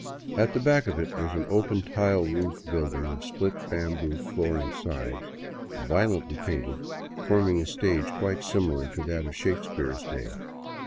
At the back of it was an open, tile roofed building of split bamboo floor and sides, violently painted, forming a stage quite similar to that of Shakespeare's day.